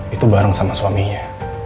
itu bareng sama suaminya